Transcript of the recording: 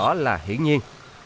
đó là hiển nhiên